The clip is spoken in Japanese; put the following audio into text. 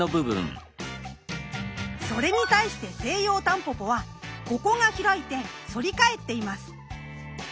それに対してセイヨウタンポポはここが開いて反り返っています。